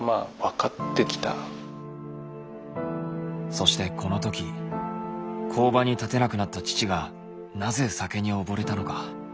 そしてこのとき工場に立てなくなった父がなぜ酒におぼれたのか。